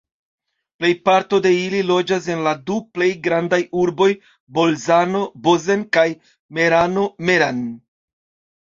Plejparto de ili loĝas en la du plej grandaj urboj Bolzano-Bozen kaj Merano-Meran.